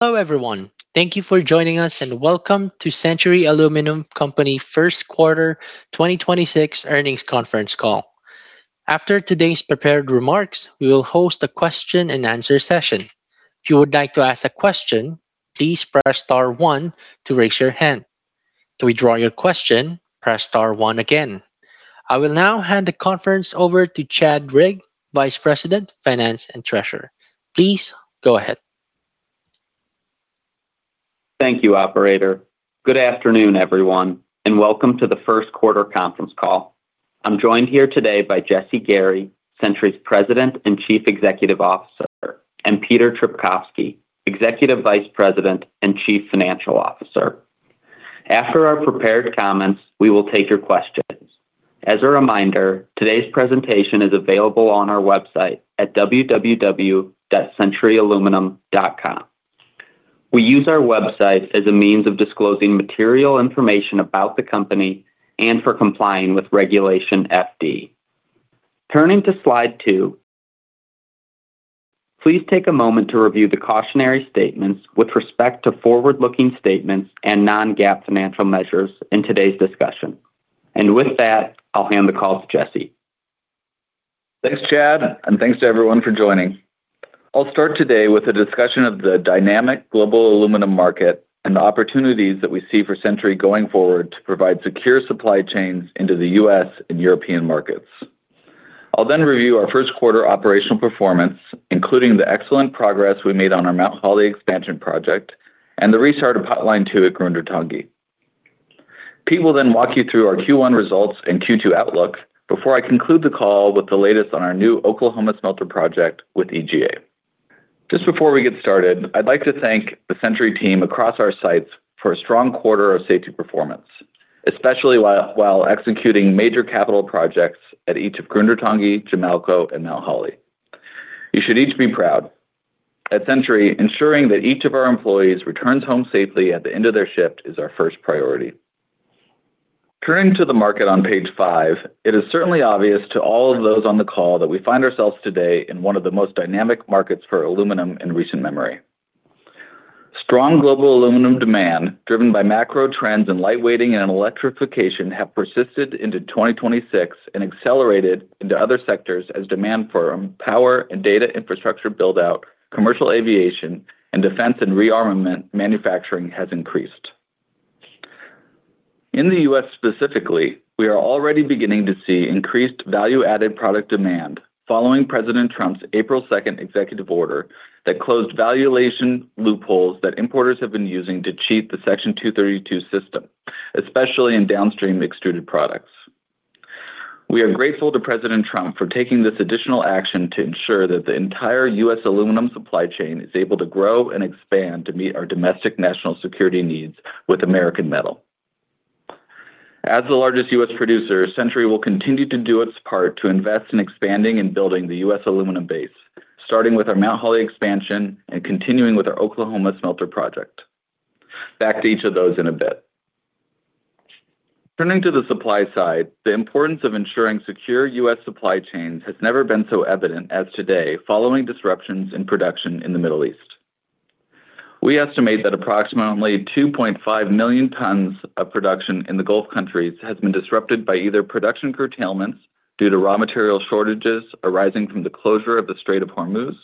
Hello, everyone. Thank you for joining us, and welcome to Century Aluminum Company Q1 2026 earnings conference call. After today's prepared remarks, we will host a question and answer session. If you would like to ask a question, please press star one to raise your hand. To withdraw your question, press star one again. I will now hand the conference over to Chad Rigg, Vice President, Finance and Treasurer. Please go ahead. Thank you, operator. Good afternoon, everyone, and welcome to the Q1 conference call. I'm joined here today by Jesse Gary, Century's President and Chief Executive Officer, and Peter Trpkovski, Executive Vice President and Chief Financial Officer. After our prepared comments, we will take your questions. As a reminder, today's presentation is available on our website at www.centuryaluminum.com. We use our website as a means of disclosing material information about the company and for complying with Regulation FD. Turning to slide two, please take a moment to review the cautionary statements with respect to forward-looking statements and non-GAAP financial measures in today's discussion. With that, I'll hand the call to Jesse. Thanks, Chad, and thanks to everyone for joining. I'll start today with a discussion of the dynamic global aluminum market and the opportunities that we see for Century going forward to provide secure supply chains into the U.S. and European markets. I'll review our Q1 operational performance, including the excellent progress we made on our Mount Holly expansion project and the restart of Potline 2 at Grundartangi. Pete will walk you through our Q1 results and Q2 outlook before I conclude the call with the latest on our new Oklahoma smelter project with EGA. Just before we get started, I'd like to thank the Century team across our sites for a strong quarter of safety performance, especially while executing major capital projects at each of Grundartangi, Jamalco, and Mount Holly. You should each be proud. At Century, ensuring that each of our employees returns home safely at the end of their shift is our first priority. Turning to the market on page five, it is certainly obvious to all of those on the call that we find ourselves today in one of the most dynamic markets for aluminum in recent memory. Strong global aluminum demand, driven by macro trends in light weighting and electrification, have persisted into 2026 and accelerated into other sectors as demand for power and data infrastructure build-out, commercial aviation, and defense and rearmament manufacturing has increased. In the U.S. specifically, we are already beginning to see increased value-added product demand following President Trump's April 2nd, 2026 executive order that closed valuation loopholes that importers have been using to cheat the Section 232 system, especially in downstream extruded products. We are grateful to President Trump for taking this additional action to ensure that the entire U.S. aluminum supply chain is able to grow and expand to meet our domestic national security needs with American metal. As the largest U.S. producer, Century will continue to do its part to invest in expanding and building the U.S. aluminum base, starting with our Mount Holly expansion and continuing with our Oklahoma smelter project. Back to each of those in a bit. Turning to the supply side, the importance of ensuring secure U.S. supply chains has never been so evident as today following disruptions in production in the Middle East. We estimate that approximately 2.5 million tons of production in the Gulf countries has been disrupted by either production curtailments due to raw material shortages arising from the closure of the Strait of Hormuz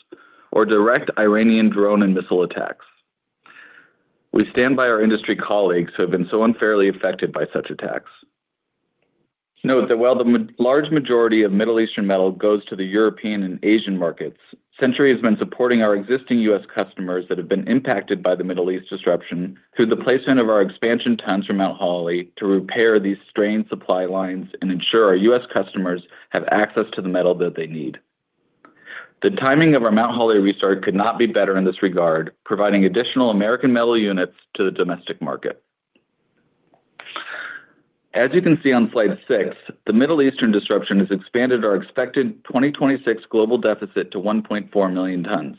or direct Iranian drone and missile attacks. We stand by our industry colleagues who have been so unfairly affected by such attacks. Note that while the large majority of Middle Eastern metal goes to the European and Asian markets, Century has been supporting our existing U.S. customers that have been impacted by the Middle East disruption through the placement of our expansion tons from Mount Holly to repair these strained supply lines and ensure our U.S. customers have access to the metal that they need. The timing of our Mount Holly restart could not be better in this regard, providing additional American metal units to the domestic market. As you can see on slide six, the Middle Eastern disruption has expanded our expected 2026 global deficit to 1.4 million tons.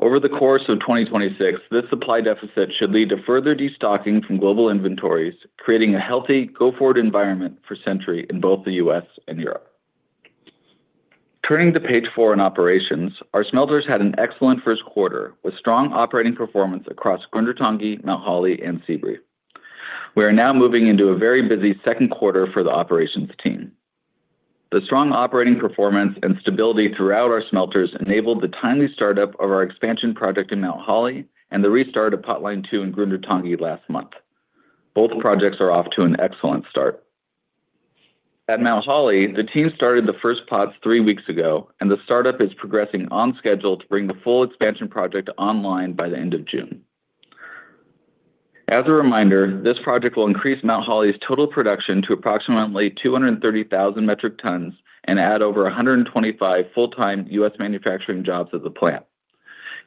Over the course of 2026, this supply deficit should lead to further destocking from global inventories, creating a healthy go-forward environment for Century in both the U.S. and Europe. Turning to page four in operations, our smelters had an excellent Q1, with strong operating performance across Grundartangi, Mount Holly, and Sebree. We are now moving into a very busy Q2 for the operations team. The strong operating performance and stability throughout our smelters enabled the timely startup of our expansion project in Mount Holly and the restart of Potline 2 in Grundartangi last month. Both projects are off to an excellent start. At Mount Holly, the team started the 1st pots three weeks ago, and the startup is progressing on schedule to bring the full expansion project online by the end of June. As a reminder, this project will increase Mount Holly's total production to approximately 230,000 metric tons and add over 125 full-time U.S. manufacturing jobs at the plant,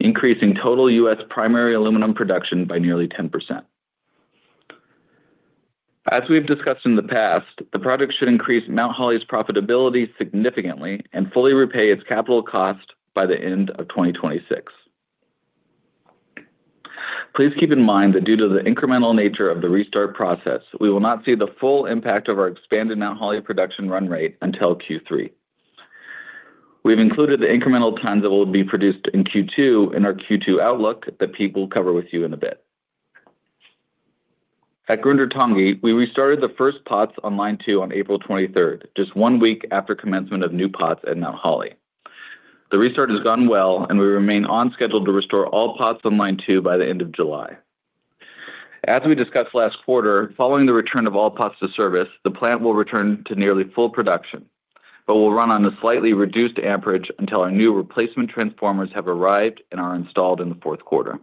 increasing total U.S. primary aluminum production by nearly 10%. As we've discussed in the past, the project should increase Mount Holly's profitability significantly and fully repay its capital cost by the end of 2026. Please keep in mind that due to the incremental nature of the restart process, we will not see the full impact of our expanded Mount Holly production run rate until Q3. We've included the incremental tons that will be produced in Q2 in our Q2 outlook that Pete will cover with you in a bit. At Grundartangi, we restarted the first pots on line 2 on April 23rd, 2026 just one week after commencement of new pots at Mount Holly. The restart has gone well, and we remain on schedule to restore all pots on line 2 by the end of July. As we discussed last quarter, following the return of all pots to service, the plant will return to nearly full production, but will run on a slightly reduced amperage until our new replacement transformers have arrived and are installed in the Q4.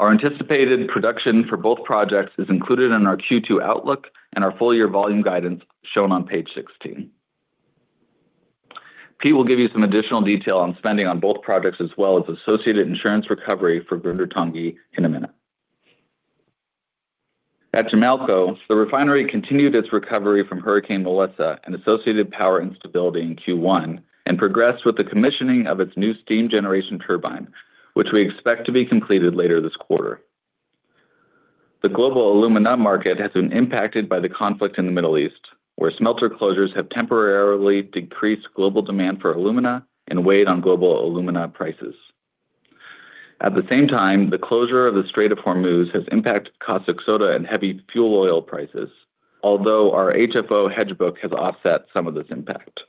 Our anticipated production for both projects is included in our Q2 outlook and our full year volume guidance shown on page 16. Pete will give you some additional detail on spending on both projects as well as associated insurance recovery for Grundartangi in a minute. At Jamalco, the refinery continued its recovery from Hurricane Melissa and associated power instability in Q1 and progressed with the commissioning of its new steam generation turbine, which we expect to be completed later this quarter. The global alumina market has been impacted by the conflict in the Middle East, where smelter closures have temporarily decreased global demand for alumina and weighed on global alumina prices. At the same time, the closure of the Strait of Hormuz has impacted caustic soda and heavy fuel oil prices, although our HFO hedge book has offset some of this impact.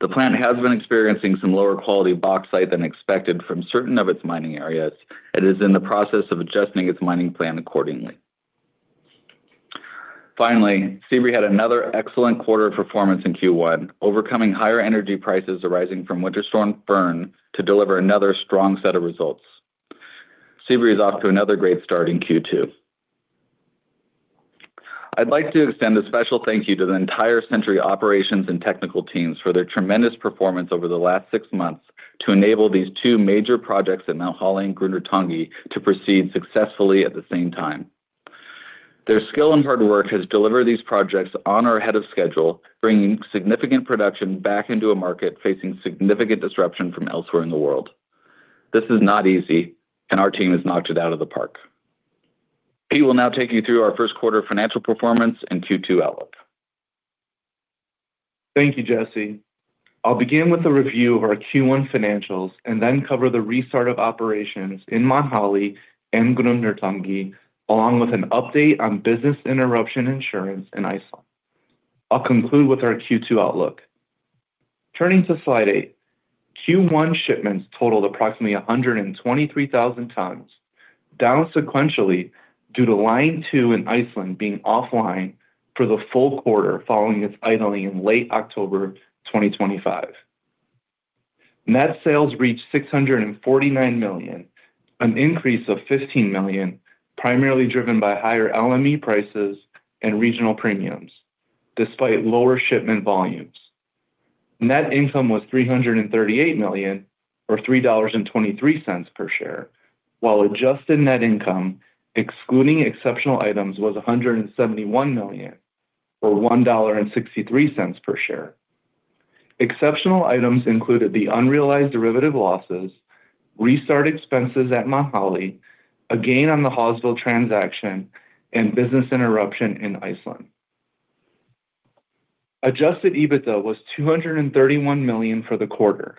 The plant has been experiencing some lower quality bauxite than expected from certain of its mining areas and is in the process of adjusting its mining plan accordingly. Finally, Sebree had another excellent quarter of performance in Q1, overcoming higher energy prices arising from Winter Storm Fern to deliver another strong set of results. Sebree is off to another great start in Q2. I'd like to extend a special thank you to the entire Century operations and technical teams for their tremendous performance over the last 6 months to enable these two major projects at Mount Holly and Grundartangi to proceed successfully at the same time. Their skill and hard work has delivered these projects on or ahead of schedule, bringing significant production back into a market facing significant disruption from elsewhere in the world. This is not easy, and our team has knocked it out of the park. Pete will now take you through our Q1 financial performance and Q2 outlook. Thank you, Jesse. I'll begin with a review of our Q1 financials and then cover the restart of operations in Mount Holly and Grundartangi, along with an update on business interruption insurance in Iceland. I'll conclude with our Q2 outlook. Turning to slide eight, Q1 shipments totaled approximately 123,000 tons, down sequentially due to line 2 in Iceland being offline for the full quarter following its idling in late October 2025. Net sales reached $649 million, an increase of $15 million, primarily driven by higher LME prices and regional premiums, despite lower shipment volumes. Net income was $338 million, or $3.23 per share, while adjusted net income, excluding exceptional items, was $171 million, or $1.63 per share. Exceptional items included the unrealized derivative losses, restart expenses at Mount Holly, a gain on the Hawesville transaction, and business interruption in Iceland. Adjusted EBITDA was $231 million for the quarter,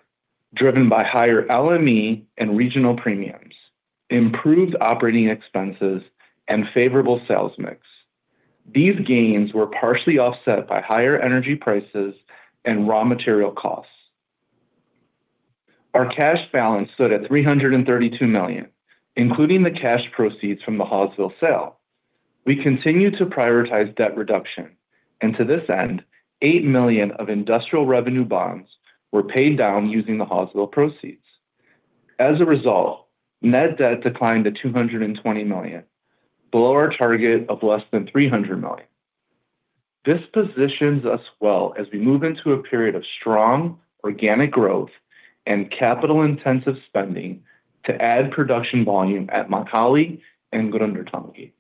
driven by higher LME and regional premiums, improved operating expenses, and favorable sales mix. These gains were partially offset by higher energy prices and raw material costs. Our cash balance stood at $332 million, including the cash proceeds from the Hawesville sale. We continue to prioritize debt reduction, and to this end, $8 million of industrial revenue bonds were paid down using the Hawesville proceeds. As a result, net debt declined to $220 million, below our target of less than $300 million. This positions us well as we move into a period of strong organic growth and capital-intensive spending to add production volume at Mount Holly and Grundartangi.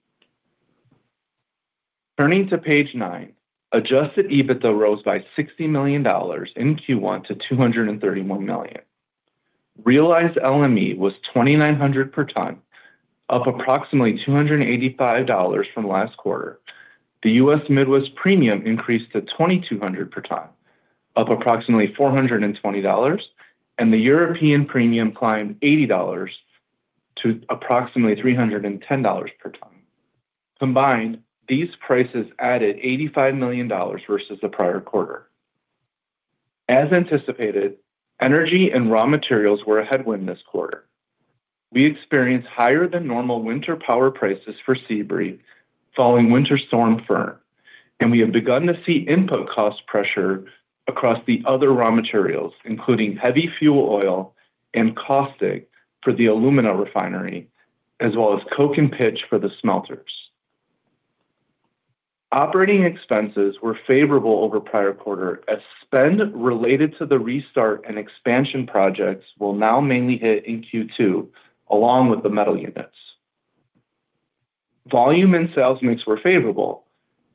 Turning to page nine, adjusted EBITDA rose by $60 million in Q1 to $231 million. Realized LME was $2,900 per ton, up approximately $285 from last quarter. The U.S. Midwest premium increased to $2,200 per ton, up approximately $420, and the European premium climbed $80 to approximately $310 per ton. Combined, these prices added $85 million versus the prior quarter. As anticipated, energy and raw materials were a headwind this quarter. We experienced higher than normal winter power prices for Sebree following Winter Storm Fern, and we have begun to see input cost pressure across the other raw materials, including heavy fuel oil and caustic for the alumina refinery, as well as coke and pitch for the smelters. Operating expenses were favorable over prior quarter, as spend related to the restart and expansion projects will now mainly hit in Q2 along with the metal units. Volume and sales mix were favorable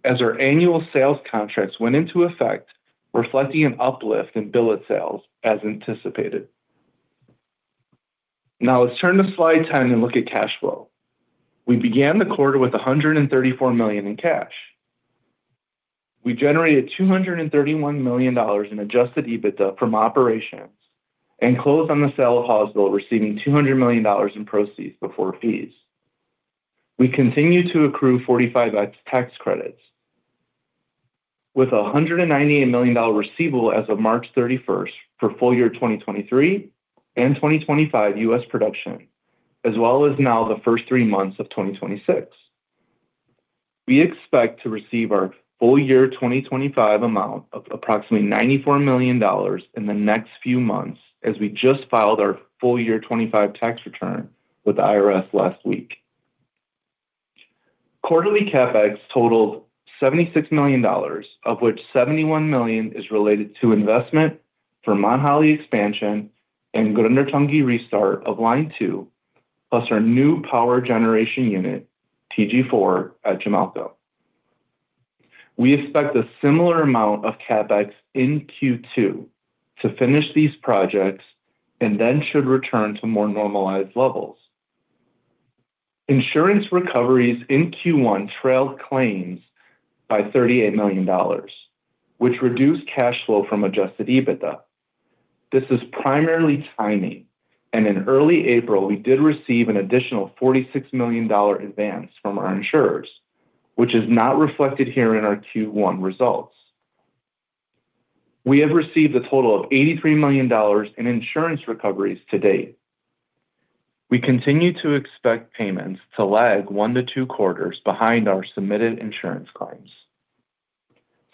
as our annual sales contracts went into effect, reflecting an uplift in billet sales as anticipated. Now let's turn to slide 10 and look at cash flow. We began the quarter with $134 million in cash. We generated $231 million in adjusted EBITDA from operations and closed on the sale of Hawesville, receiving $200 million in proceeds before fees. We continue to accrue 45X tax credits with a $198 million receivable as of March 31st for full year 2023 and 2025 U.S. production, as well as now the first three months of 2026. We expect to receive our full year 2025 amount of approximately $94 million in the next few months, as we just filed our full year 2025 tax return with the IRS last week. Quarterly CapEx totaled $76 million, of which $71 million is related to investment for Mount Holly expansion and Grundartangi restart of line 2, plus our new power generation unit, TG4, at Jamalco. We expect a similar amount of CapEx in Q2 to finish these projects and then should return to more normalized levels. Insurance recoveries in Q1 trailed claims by $38 million, which reduced cash flow from adjusted EBITDA. This is primarily timing. In early April, we did receive an additional $46 million advance from our insurers, which is not reflected here in our Q1 results. We have received a total of $83 million in insurance recoveries to date. We continue to expect payments to lag one-two quarters behind our submitted insurance claims.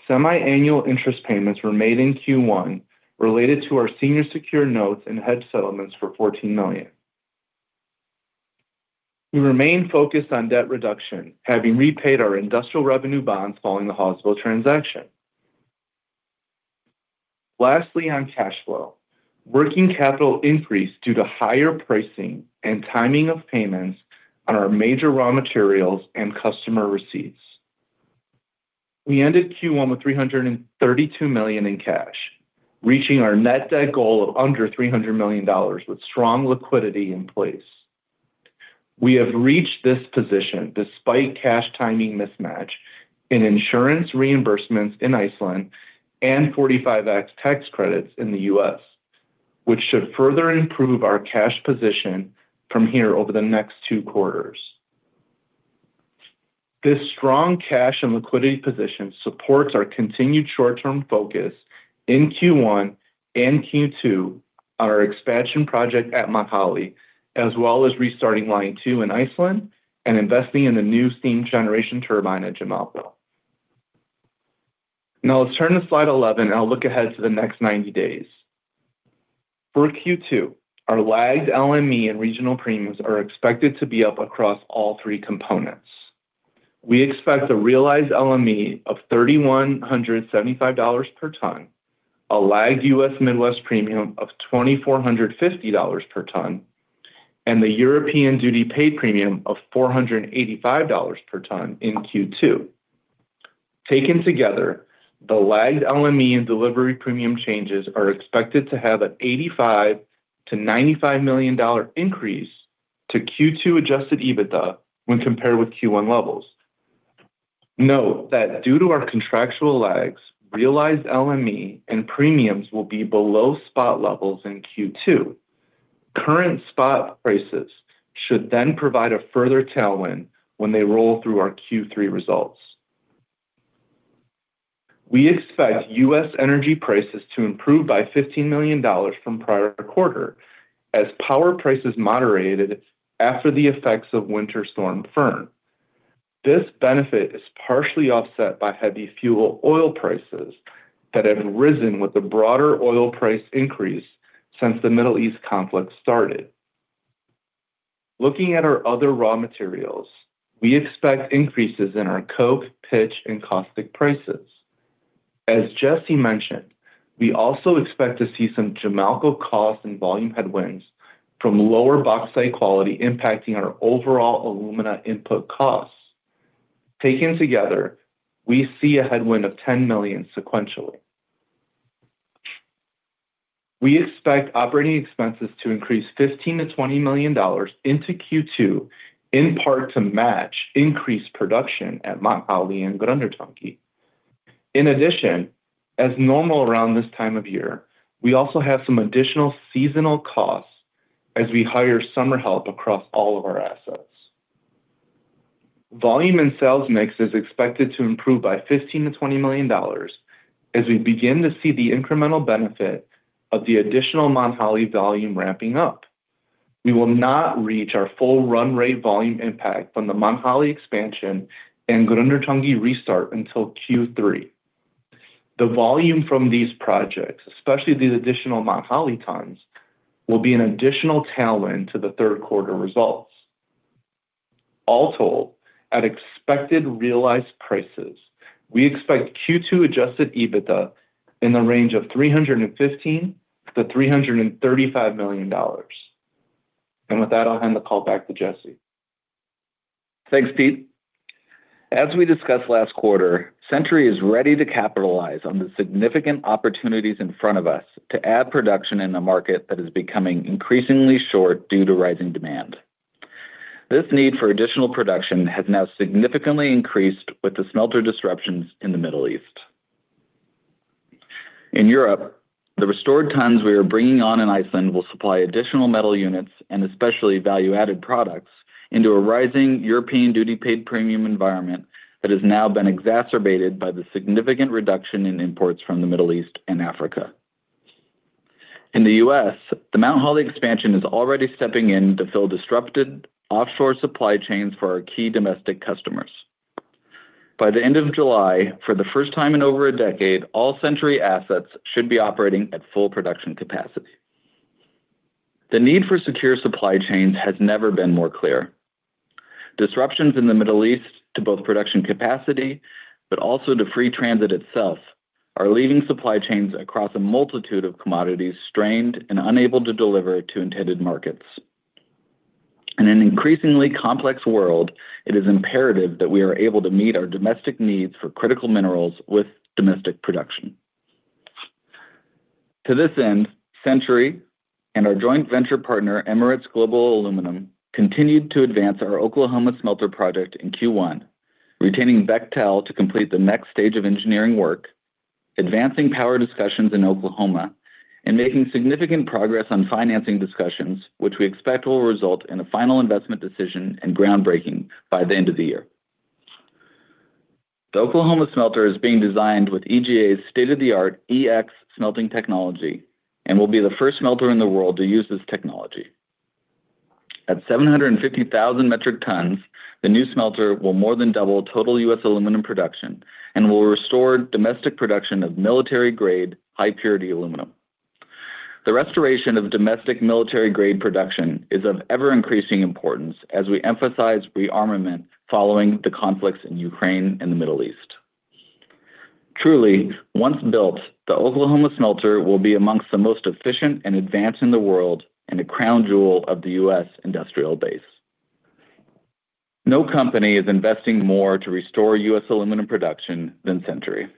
Semiannual interest payments were made in Q1 related to our senior secured notes and hedge settlements for $14 million. We remain focused on debt reduction, having repaid our industrial revenue bonds following the Hawesville transaction. Lastly, on cash flow, working capital increased due to higher pricing and timing of payments on our major raw materials and customer receipts. We ended Q1 with $332 million in cash, reaching our net debt goal of under $300 million with strong liquidity in place. We have reached this position despite cash timing mismatch in insurance reimbursements in Iceland and 45X tax credits in the U.S., which should further improve our cash position from here over the next two quarters. This strong cash and liquidity position supports our continued short-term focus in Q1 and Q2 on our expansion project at Mount Holly, as well as restarting line 2 in Iceland and investing in the new steam generation turbine at Jamalco. Let's turn to slide 11 and I'll look ahead to the next 90 days. For Q2, our lagged LME and regional premiums are expected to be up across all three components. We expect a realized LME of $3,175 per ton, a lagged US Midwest premium of $2,450 per ton, and the European duty paid premium of $485 per ton in Q2. Taken together, the lagged LME and delivery premium changes are expected to have an $85 million-$95 million increase to Q2 adjusted EBITDA when compared with Q1 levels. Due to our contractual lags, realized LME and premiums will be below spot levels in Q2. Current spot prices should provide a further tailwind when they roll through our Q3 results. We expect U.S. energy prices to improve by $15 million from prior quarter as power prices moderated after the effects of Winter Storm Fern. This benefit is partially offset by heavy fuel oil prices that have risen with the broader oil price increase since the Middle East conflict started. Looking at our other raw materials, we expect increases in our coke, pitch, and caustic prices. As Jesse mentioned, we also expect to see some Jamalco cost and volume headwinds from lower bauxite quality impacting our overall alumina input costs. Taken together, we see a headwind of $10 million sequentially. We expect operating expenses to increase $15 million-$20 million into Q2, in part to match increased production at Mount Holly and Grundartangi. In addition, as normal around this time of year, we also have some additional seasonal costs as we hire summer help across all of our assets. Volume and sales mix is expected to improve by $15 million-$20 million as we begin to see the incremental benefit of the additional Mount Holly volume ramping up. We will not reach our full run rate volume impact from the Mount Holly expansion and Grundartangi restart until Q3. The volume from these projects, especially these additional Mount Holly tons, will be an additional tailwind to the Q3ter results. All told, at expected realized prices. We expect Q2 adjusted EBITDA in the range of $315 million-$335 million. With that, I'll hand the call back to Jesse. Thanks, Pete. As we discussed last quarter, Century is ready to capitalize on the significant opportunities in front of us to add production in a market that is becoming increasingly short due to rising demand. This need for additional production has now significantly increased with the smelter disruptions in the Middle East. In Europe, the restored tons we are bringing on in Iceland will supply additional metal units and especially value-added products into a rising European duty paid premium environment that has now been exacerbated by the significant reduction in imports from the Middle East and Africa. In the U.S., the Mount Holly expansion is already stepping in to fill disrupted offshore supply chains for our key domestic customers. By the end of July, for the first time in over a decade, all Century assets should be operating at full production capacity. The need for secure supply chains has never been more clear. Disruptions in the Middle East to both production capacity, but also to free transit itself, are leaving supply chains across a multitude of commodities strained and unable to deliver to intended markets. In an increasingly complex world, it is imperative that we are able to meet our domestic needs for critical minerals with domestic production. To this end, Century and our joint venture partner, Emirates Global Aluminium, continued to advance our Oklahoma smelter project in Q1, retaining Bechtel to complete the next stage of engineering work, advancing power discussions in Oklahoma, and making significant progress on financing discussions, which we expect will result in a final investment decision and groundbreaking by the end of the year. The Oklahoma smelter is being designed with EGA's state-of-the-art EX smelting technology and will be the first smelter in the world to use this technology. At 750,000 metric tons, the new smelter will more than double total U.S. aluminum production and will restore domestic production of military-grade, high-purity aluminum. The restoration of domestic military-grade production is of ever-increasing importance as we emphasize rearmament following the conflicts in Ukraine and the Middle East. Truly, once built, the Oklahoma smelter will be amongst the most efficient and advanced in the world and a crown jewel of the U.S. industrial base. No company is investing more to restore U.S. aluminum production than Century.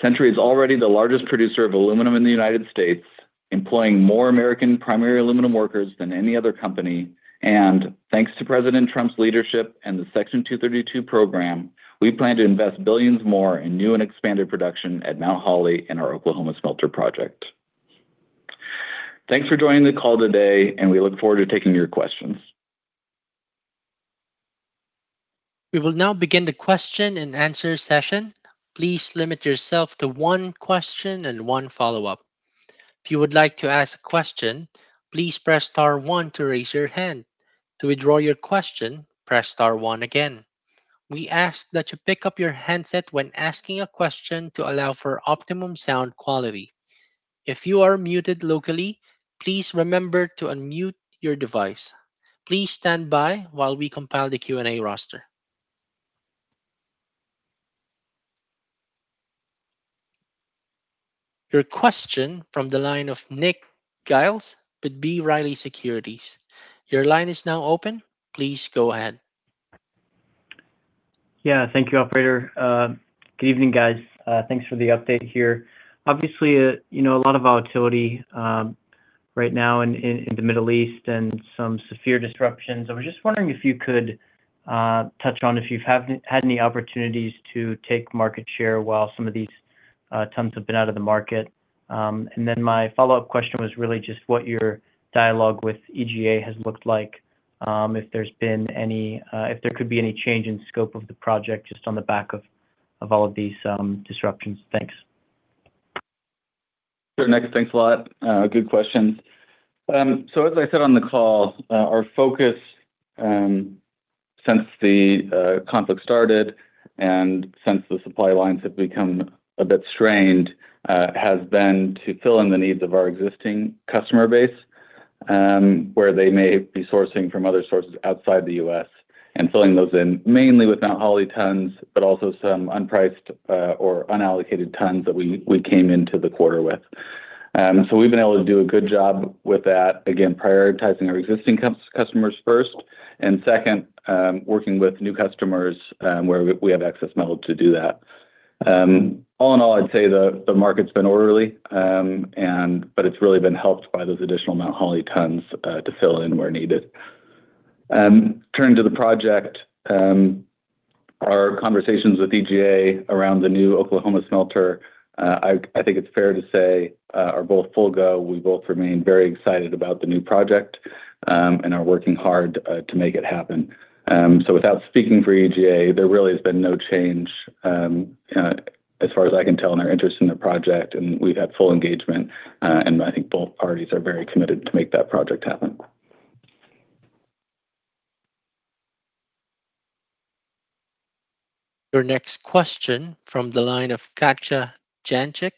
Century is already the largest producer of aluminum in the United States, employing more American primary aluminum workers than any other company. Thanks to President Trump's leadership and the Section 232 program, we plan to invest billions more in new and expanded production at Mount Holly and our Oklahoma smelter project. Thanks for joining the call today, and we look forward to taking your questions. We will now begin the question and answer session. Please limit yourself to one question and one follow-up. If you would like to ask a question, please press star one to raise your hand. To withdraw your question, press star one again. We ask that you pick up your handset when asking a question to allow for optimum sound quality. If you are muted locally, please remember to unmute your device. Please stand by while we compile the Q&A roster. Your question from the line of Nick Giles with B. Riley Securities. Your line is now open. Please go ahead. Yeah, thank you, operator. Good evening, guys. Thanks for the update here. Obviously, you know, a lot of volatility right now in the Middle East and some severe disruptions. I was just wondering if you could touch on if you've had any opportunities to take market share while some of these tons have been out of the market. My follow-up question was really just what your dialogue with EGA has looked like, if there's been any change in scope of the project just on the back of all of these disruptions. Thanks. Sure, Nick. Thanks a lot. Good questions. As I said on the call, our focus, since the conflict started and since the supply lines have become a bit strained, has been to fill in the needs of our existing customer base, where they may be sourcing from other sources outside the U.S. and filling those in mainly with Mount Holly tons, but also some unpriced or unallocated tons that we came into the quarter with. We've been able to do a good job with that, again, prioritizing our existing customers first, and second, working with new customers, where we have excess metal to do that. All in all, I'd say the market's been orderly, and but it's really been helped by those additional Mount Holly tons, to fill in where needed. Turning to the project, our conversations with EGA around the new Oklahoma smelter, I think it's fair to say, are both full go. We both remain very excited about the new project, and are working hard to make it happen. Without speaking for EGA, there really has been no change, as far as I can tell, in our interest in the project, and we've had full engagement, and I think both parties are very committed to make that project happen. Your next question from the line of Katja Jancic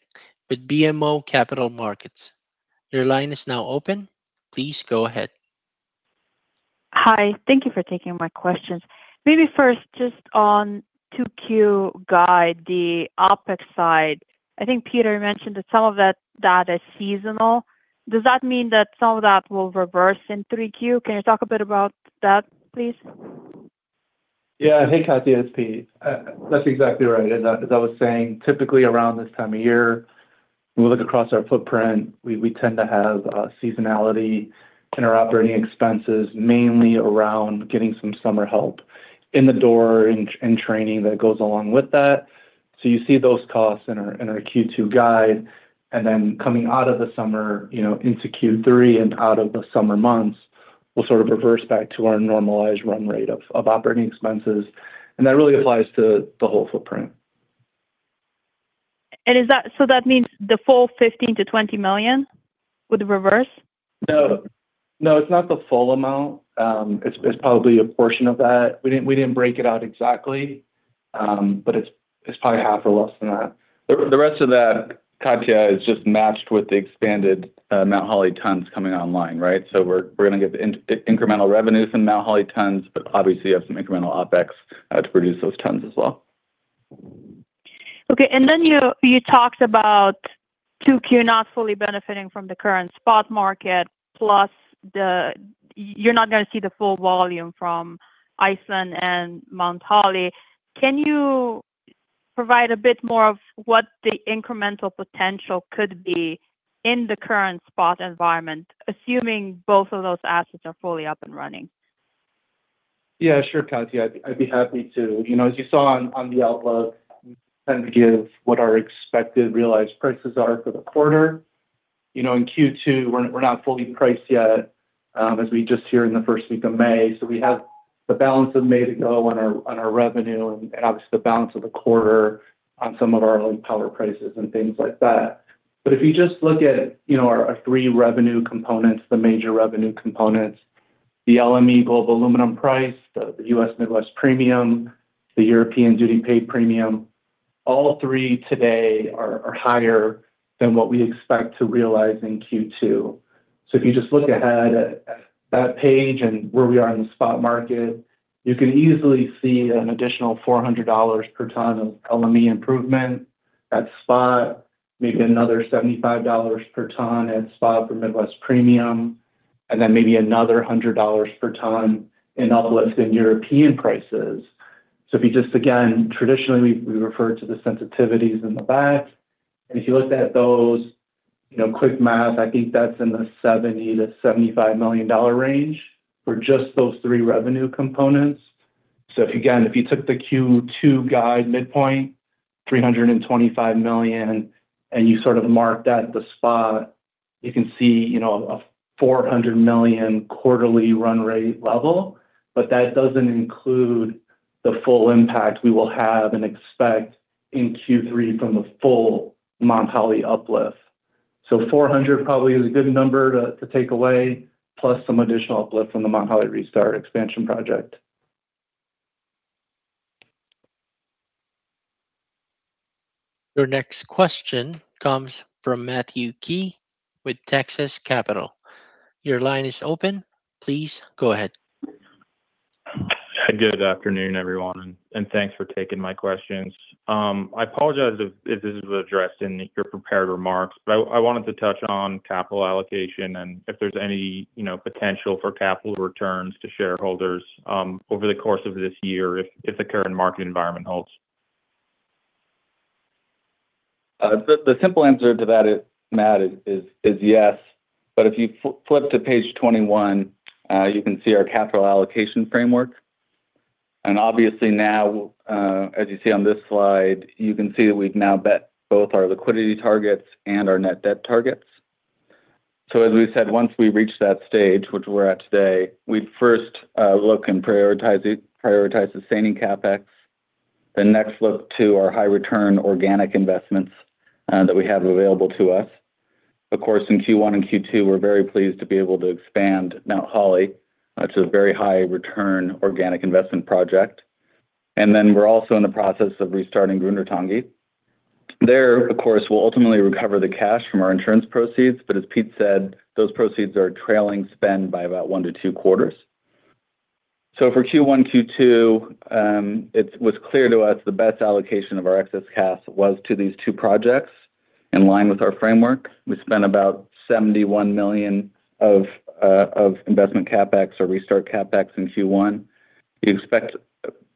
with BMO Capital Markets. Your line is now open. Please go ahead. Hi, thank you for taking my questions. Maybe first, just on Q2 guide, the OpEx side. I think Peter mentioned that some of that data is seasonal. Does that mean that some of that will reverse in Q3? Can you talk a bit about that, please? Yeah. Hey, Katja, it's Pete. That's exactly right. As I was saying, typically around this time of year, we look across our footprint, we tend to have seasonality in our operating expenses, mainly around getting some summer help in the door and training that goes along with that. You see those costs in our Q2 guide. Coming out of the summer, you know, into Q3 and out of the summer months, we'll sort of reverse back to our normalized run rate of operating expenses. That really applies to the whole footprint. That means the full $15 million-$20 million would reverse? No. No, it's not the full amount. It's, it's probably a portion of that. We didn't, we didn't break it out exactly, but it's probably half or less than that. The, the rest of that, Katja, is just matched with the expanded, Mount Holly tons coming online, right? We're, we're gonna get incremental revenues from Mount Holly tons, but obviously you have some incremental OpEx, to produce those tons as well. Okay. You talked about Q2 not fully benefiting from the current spot market, plus you're not gonna see the full volume from Iceland and Mount Holly. Can you provide a bit more of what the incremental potential could be in the current spot environment, assuming both of those assets are fully up and running? Yeah, sure, Katja. I'd be happy to. You know, as you saw on the outlook, we tend to give what our expected realized prices are for the quarter. You know, in Q2, we're not fully priced yet, as we just hear in the first week of May. We have the balance of May to go on our revenue and obviously the balance of the quarter on some of our aluminum prices and things like that. If you just look at, you know, our three revenue components, the major revenue components, the LME global aluminum price, the U.S. Midwest premium, the European duty paid premium, all three today are higher than what we expect to realize in Q2. If you just look ahead at that page and where we are in the spot market, you can easily see an additional $400 per ton of LME improvement at spot, maybe another $75 per ton at spot for U.S. Midwest premium, and then maybe another $100 per ton in uplifted European prices. If you just, again, traditionally, we refer to the sensitivities in the back. If you looked at those, you know, quick math, I think that's in the $70 million-$75 million range for just those three revenue components. If, again, if you took the Q2 guide midpoint, $325 million, and you sort of marked that at the spot, you can see, you know, a $400 million quarterly run rate level. That doesn't include the full impact we will have and expect in Q3 from the full Mount Holly uplift. $400 probably is a good number to take away, plus some additional uplift from the Mount Holly restart expansion project. Your next question comes from Matthew Key with Texas Capital. Your line is open. Please go ahead. Good afternoon, everyone, and thanks for taking my questions. I apologize if this was addressed in your prepared remarks, but I wanted to touch on capital allocation and if there's any, you know, potential for capital returns to shareholders over the course of this year if the current market environment holds. The simple answer to that is, Matt, is yes. If you flip to page 21, you can see our capital allocation framework. Obviously now, as you see on this slide, you can see that we've now met both our liquidity targets and our net debt targets. As we said, once we reach that stage, which we're at today, we first look and prioritize sustaining CapEx, then next look to our high return organic investments that we have available to us. Of course, in Q1 and Q2, we're very pleased to be able to expand Mount Holly. It's a very high return organic investment project. Then we're also in the process of restarting Grundartangi. There, of course, we'll ultimately recover the cash from our insurance proceeds, but as Pete said, those proceeds are trailing spend by about one to two quarters. For Q1, Q2, it was clear to us the best allocation of our excess cash was to these two projects in line with our framework. We spent about $71 million of investment CapEx or restart CapEx in Q1. We expect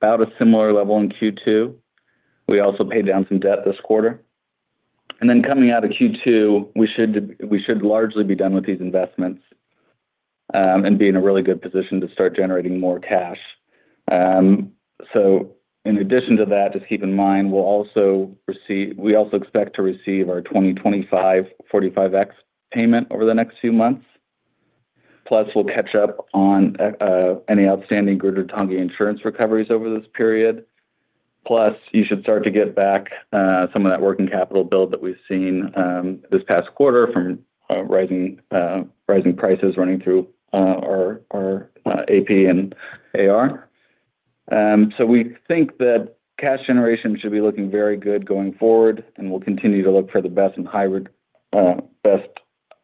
about a similar level in Q2. We also paid down some debt this quarter. Coming out of Q2, we should largely be done with these investments and be in a really good position to start generating more cash. In addition to that just keep in mind, we also expect to receive our 2025 45X payment over the next few months. We'll catch up on any outstanding Grundartangi insurance recoveries over this period. You should start to get back some of that working capital build that we've seen this past quarter from rising prices running through our AP and AR. We think that cash generation should be looking very good going forward, and we'll continue to look for the best and high best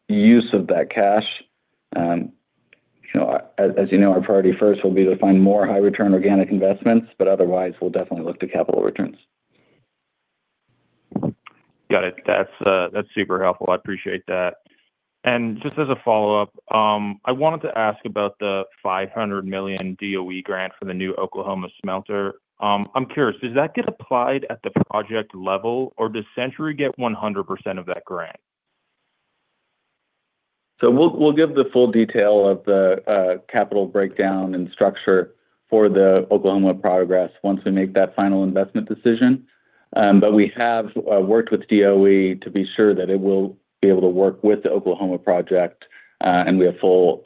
use of that cash. You know, as you know, our priority first will be to find more high return organic investments, otherwise we'll definitely look to capital returns. Got it. That's, that's super helpful. I appreciate that. Just as a follow-up, I wanted to ask about the $500 million DOE grant for the new Oklahoma smelter. I'm curious, does that get applied at the project level, or does Century get 100% of that grant? We'll give the full detail of the capital breakdown and structure for the Oklahoma progress once we make that final investment decision. We have worked with DOE to be sure that it will be able to work with the Oklahoma project, and we have full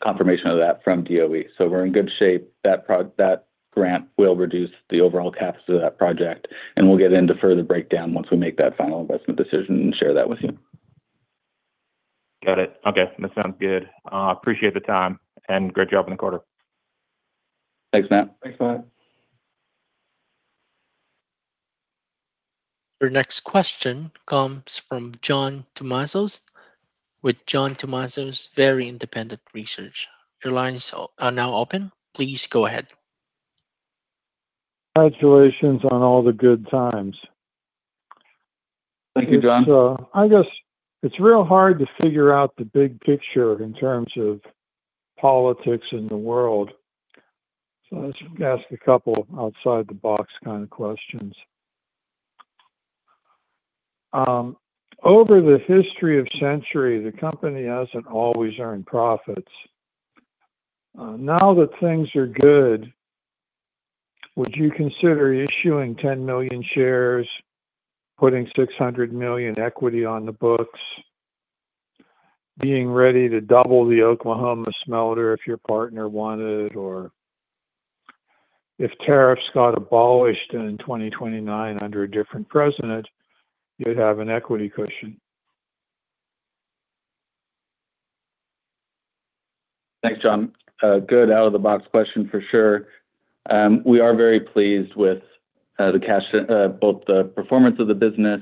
confirmation of that from DOE. We're in good shape. That grant will reduce the overall caps to that project, and we'll get into further breakdown once we make that final investment decision and share that with you. Got it. Okay. That sounds good. Appreciate the time, and great job in the quarter. Thanks, Matt. Thanks, Matt. Your next question comes from John Tumazos with John Tumazos Very Independent Research. Your lines are now open. Please go ahead. Congratulations on all the good times. Thank you, John. It's, I guess it's real hard to figure out the big picture in terms of politics in the world. Let's ask a couple outside the box kind of questions. Over the history of Century, the company hasn't always earned profits. Now that things are good, would you consider issuing 10 million shares, putting $600 million equity on the books, being ready to double the Oklahoma smelter if your partner wanted, or if tariffs got abolished in 2029 under a different president, you'd have an equity cushion? Thanks, John. A good out-of-the-box question for sure. We are very pleased with both the performance of the business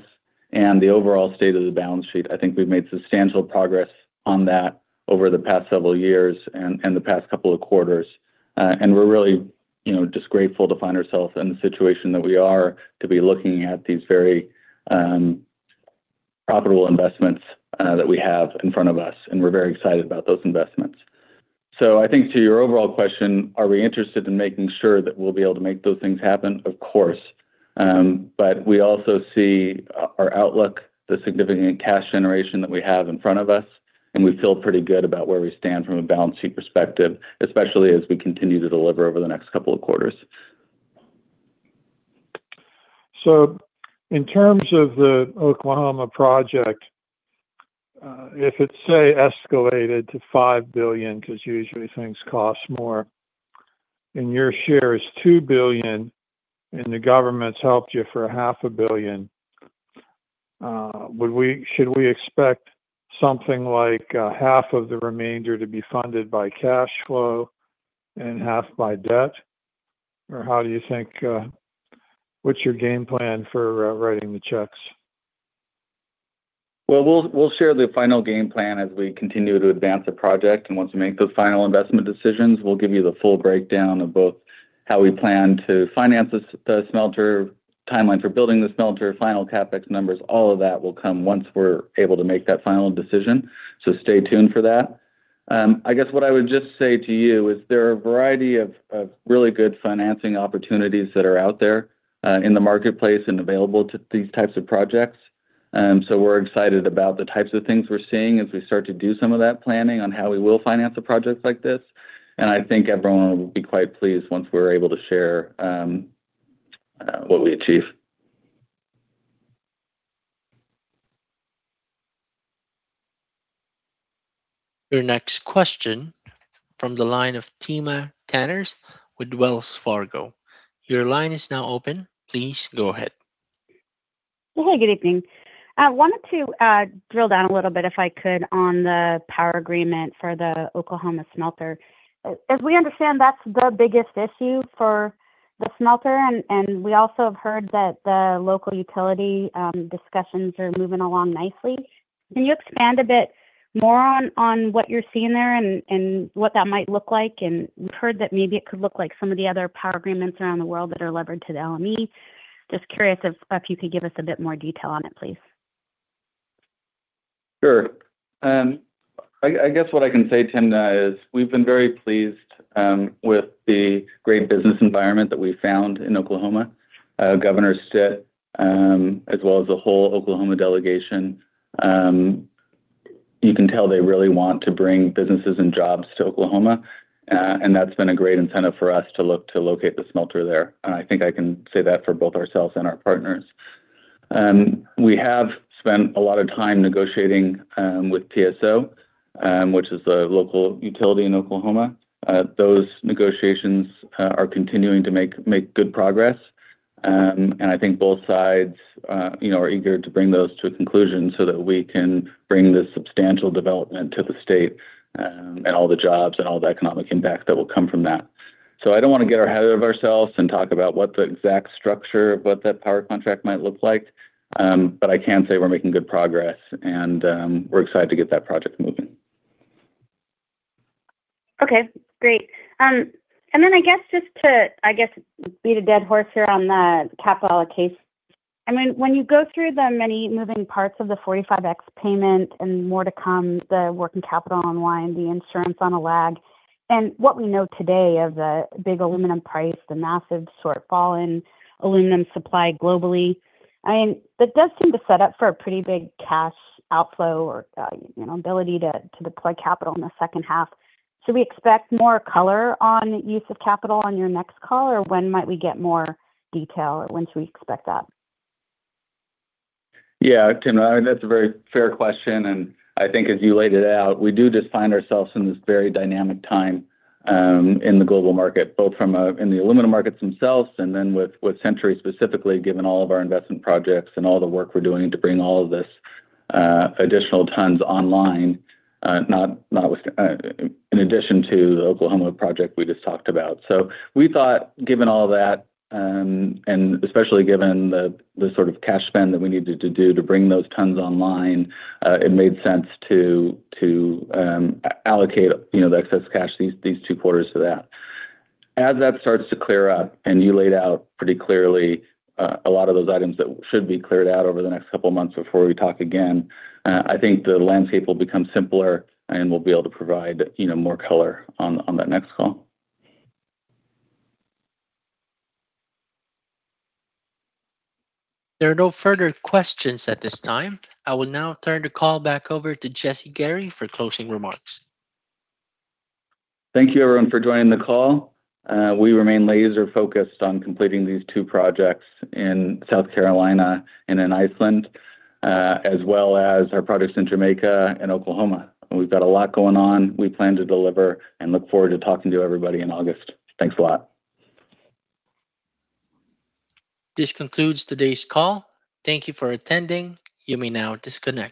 and the overall state of the balance sheet. I think we've made substantial progress on that over the past several years and the past couple of quarters. We're really, you know, just grateful to find ourselves in the situation that we are, to be looking at these very profitable investments that we have in front of us, and we're very excited about those investments. I think to your overall question, are we interested in making sure that we'll be able to make those things happen? Of course. We also see our outlook, the significant cash generation that we have in front of us, and we feel pretty good about where we stand from a balance sheet perspective, especially as we continue to deliver over the next couple of quarters. In terms of the Oklahoma project, if it's, say, escalated to $5 billion because usually things cost more and your share is $2 billion and the government's helped you for a half a billion, should we expect something like, half of the remainder to be funded by cash flow and half by debt? Or how do you think, what's your game plan for, writing the checks? Well, we'll share the final game plan as we continue to advance the project, and once we make those final investment decisions, we'll give you the full breakdown of both how we plan to finance the smelter timeline for building the smelter, final CapEx numbers. All of that will come once we're able to make that final decision. Stay tuned for that. I guess what I would just say to you is there are a variety of really good financing opportunities that are out there in the marketplace and available to these types of projects. We're excited about the types of things we're seeing as we start to do some of that planning on how we will finance the projects like this. I think everyone will be quite pleased once we're able to share what we achieve. Your next question from the line of Timna Tanners with Wells Fargo. Your line is now open. Please go ahead. Hey, good evening. I wanted to drill down a little bit, if I could, on the power agreement for the Oklahoma smelter. As we understand, that's the biggest issue for the smelter, and we also have heard that the local utility discussions are moving along nicely. Can you expand a bit more on what you're seeing there and what that might look like? We've heard that maybe it could look like some of the other power agreements around the world that are levered to the LME. Just curious if you could give us a bit more detail on it, please. Sure. I guess what I can say, Timna, is we've been very pleased with the great business environment that we found in Oklahoma. Governor Stitt, as well as the whole Oklahoma delegation, you can tell they really want to bring businesses and jobs to Oklahoma. That's been a great incentive for us to look to locate the smelter there. I think I can say that for both ourselves and our partners. We have spent a lot of time negotiating with PSO, which is the local utility in Oklahoma. Those negotiations are continuing to make good progress. I think both sides, you know, are eager to bring those to a conclusion so that we can bring this substantial development to the state, and all the jobs and all the economic impact that will come from that. I don't wanna get ahead of ourselves and talk about what the exact structure of what that power contract might look like, but I can say we're making good progress, and we're excited to get that project moving. Okay, great. Then I guess just to beat a dead horse here on the capital case. When you go through the many moving parts of the 45X payment and more to come, the working capital online, the insurance on a lag, and what we know today of the big aluminum price, the massive shortfall in aluminum supply globally, that does seem to set up for a pretty big cash outflow or, you know, ability to deploy capital in the H2. Should we expect more color on use of capital on your next call, or when might we get more detail, or when should we expect that? Yeah. I mean, that's a very fair question. I think as you laid it out, we do just find ourselves in this very dynamic time in the global market, both in the aluminum markets themselves and then with Century specifically, given all of our investment projects and all the work we're doing to bring all of this additional tons online, in addition to the Oklahoma project we just talked about. We thought, given all that, especially given the sort of cash spend that we needed to do to bring those tons online, it made sense to allocate, you know, the excess cash these two quarters to that. As that starts to clear up, you laid out pretty clearly, a lot of those items that should be cleared out over the next couple of months before we talk again, I think the landscape will become simpler, and we'll be able to provide, you know, more color on that next call. There are no further questions at this time. I will now turn the call back over to Jesse Gary for closing remarks. Thank you everyone for joining the call. We remain laser-focused on completing these two projects in South Carolina and in Iceland, as well as our projects in Jamaica and Oklahoma. We've got a lot going on. We plan to deliver and look forward to talking to everybody in August. Thanks a lot. This concludes today's call. Thank you for attending. You may now disconnect.